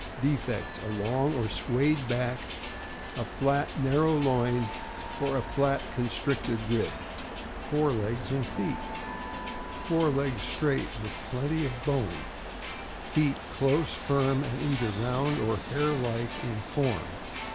Defects: A long or swayed back, a fiat, narrow loin, or a flat, constricted rib. Fore legs and feet. — Fore legs straight, with plenty of bone. Feet close, iirm, and either round or hare like in form.